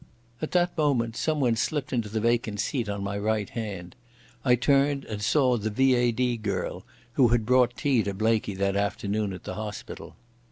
At that moment someone slipped into the vacant seat on my right hand. I turned and saw the V.A.D. girl who had brought tea to Blaikie that afternoon at the hospital.